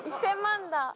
１０００万だ。